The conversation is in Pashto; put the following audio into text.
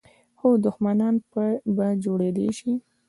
خو دښمنان په جوړېدای شي .